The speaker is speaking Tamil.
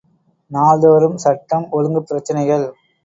நாள்தோறும் சட்டம், ஒழுங்குப் பிரச்சனைகள்!